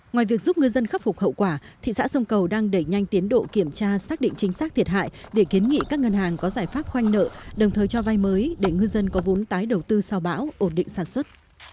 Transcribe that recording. ngoài việc giúp ngư dân khắc phục hậu quả thị xã sông cầu đang đẩy nhanh tiến độ kiểm tra xác định chính xác thiệt hại để kiến nghị các ngân hàng có giải pháp khoanh nợ đồng thời cho vai mới để ngư dân có vốn tái đầu tư sau bão ổn định sản xuất